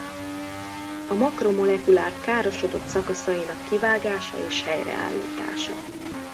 A makromolekulák károsodott szakaszainak kivágása és helyreállítása.